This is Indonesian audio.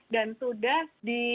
dan sudah di